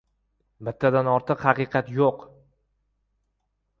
Bittadan ortiq haqiqat yo‘q.